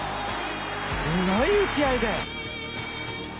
すごい打ち合いで。